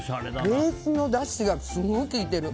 ベースのだしがすごい効いてる！